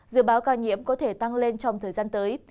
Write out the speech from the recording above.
dự báo ca nhiễm có thể tăng lên trong thời gian tới